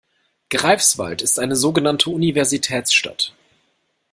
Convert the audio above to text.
Greifswald ist eine sogenannte Universitätsstadt.